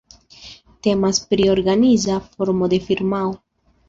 Temas pri organiza formo de firmao.